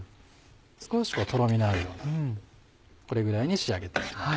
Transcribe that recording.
少しとろみのあるようなこれぐらいに仕上げて行きます。